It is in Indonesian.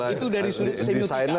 itu dari semiotika